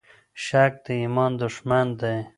شک د ایمان دښمن دی.